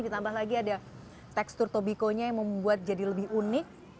ditambah lagi ada tekstur tobiconya yang membuat jadi lebih unik